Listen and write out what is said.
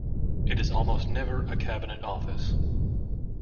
It is almost never a Cabinet office.